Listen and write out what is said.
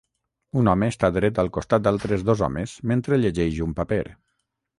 Un home està dret al costat d'altres dos homes mentre llegeix un paper.